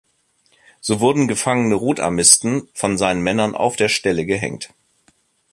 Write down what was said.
So wurden gefangene Rotarmisten von seinen Männern auf der Stelle gehängt.